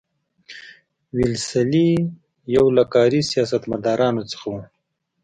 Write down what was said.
ویلسلي یو له کاري سیاستمدارانو څخه وو.